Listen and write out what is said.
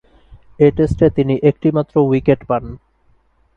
এ টেস্টে তিনি একটিমাত্র উইকেট পান।